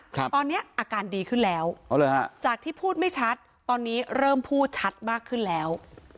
ครับตอนนี้อาการดีขึ้นแล้วฮะจากที่พูดไม่ชัดตอนนี้เริ่มพูดชัดมากขึ้นแล้ว